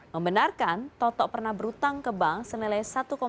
membenarkan toto pernah berutang ke bank senilai